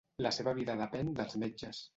La seva vida depèn dels metges.